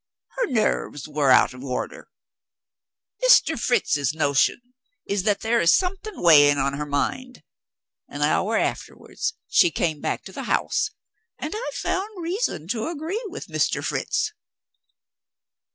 Her nerves were out of order! Mr. Fritz's notion is that there is something weighing on her mind. An hour afterwards she came back to the house and I found reason to agree with Mr. Fritz."